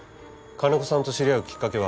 金子さんと知り合うきっかけは？